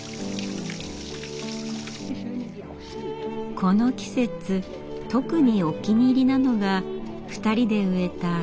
この季節特にお気に入りなのが２人で植えた椿。